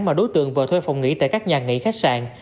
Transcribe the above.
mà đối tượng vừa thuê phòng nghỉ tại các nhà nghỉ khách sạn